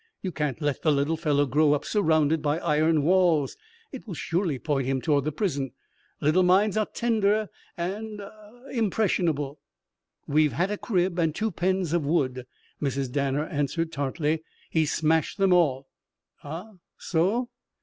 You can't let the little fellow grow up surrounded by iron walls. It will surely point him toward the prison. Little minds are tender and ah impressionable." "We've had a crib and two pens of wood," Mrs. Danner answered tartly. "He smashed them all." "Ah? So?"